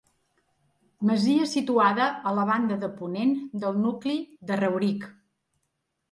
Masia situada a la banda de ponent del nucli de Rauric.